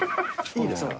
いいですか？